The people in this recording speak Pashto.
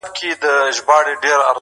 زه د ګرېوان په څېرېدلو غاړه نه باسمه,